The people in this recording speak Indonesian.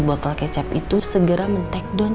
botol kecap itu segera men take down